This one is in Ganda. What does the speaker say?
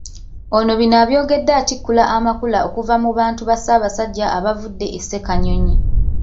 Ono bino abyogedde atikkula Amakula okuva mu bantu ba Ssaabasajja abavudde e Ssekanyonyi